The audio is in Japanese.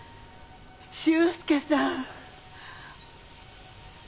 修介さん。